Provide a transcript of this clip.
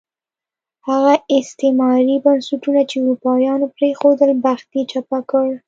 هغه استعماري بنسټونه چې اروپایانو پرېښودل، بخت یې چپه کړ.